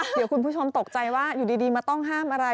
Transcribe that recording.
เดี๋ยวคุณผู้ชมตกใจว่าอยู่ดีมาต้องห้ามอะไร